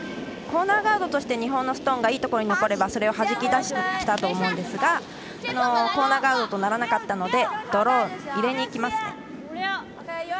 コーナーガードとして日本のストーンがいいところに残ればそれをはじき出してきたと思うんですがコーナーガードとならなかったのでドロー、入れにいきますね。